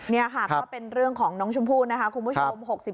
นี่ค่ะก็เป็นเรื่องของน้องชมพู่นะคะคุณผู้ชม